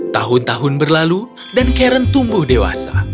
tahun tahun berlalu dan karen tumbuh dewasa